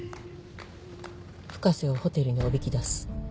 深瀬をホテルにおびき出す